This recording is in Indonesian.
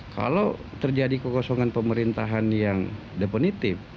kalau terjadi kekosongan pemerintahan yang definitif